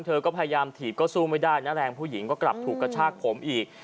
เธอก็พยายามถีบก็สู้ไม่ได้นะแรงผู้หญิงก็กลับถูกกระชากผมอีก